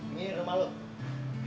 ini rumah kamu